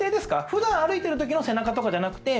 普段歩いてるときの背中とかじゃなくて。